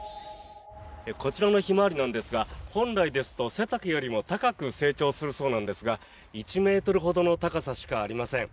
こちらのヒマワリなんですが、本来ですと背丈よりも高く成長するそうなんですが１ｍほどの高さしかありません。